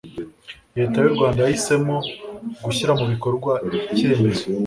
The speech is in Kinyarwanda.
leta y'urwanda yahisemo gushyira mu bikorwa ikemezo